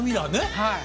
はい。